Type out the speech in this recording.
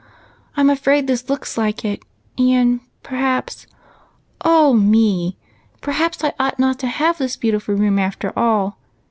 I 'm afraid this looks like it, and perhaps, — oh me !— perhaps I ought not to have this beautiful room after all